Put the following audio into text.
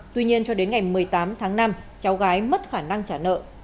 tuy nhiên cho đến ngày một mươi tám tháng năm cháu gái mất khả năng trả nợ